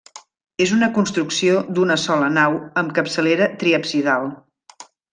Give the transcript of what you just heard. És una construcció d'una sola nau amb capçalera triabsidal.